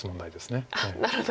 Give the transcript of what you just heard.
なるほど。